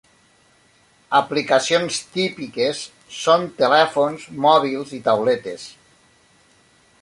Aplicacions típiques són telèfons mòbils i tauletes.